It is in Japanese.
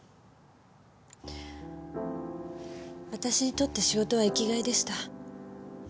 私にとって仕事は生きがいでした。